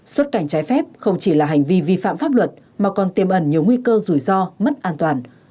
xuất cảnh trái phép không chỉ là hành vi vi phạm pháp luật mà còn tiêm ẩn nhiều nguy cơ rủi ro mất an toàn